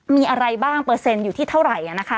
มีอะไรบ้างเปอร์เซ็นต์อยู่ที่เท่าไหร่